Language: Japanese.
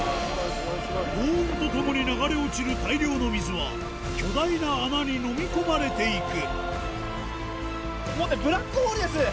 ごう音とともに流れ落ちる大量の水は巨大な穴にのみ込まれていくもうねブラックホールです。